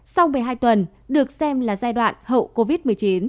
sau một mươi hai tuần được xem là giai đoạn hậu covid một mươi chín